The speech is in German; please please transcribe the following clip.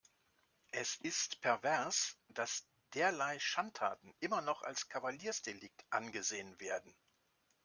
Es ist pervers, dass derlei Schandtaten immer noch als Kavaliersdelikt angesehen werden.